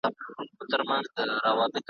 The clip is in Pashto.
چي په عشق مي نه ایمان وي نه یقین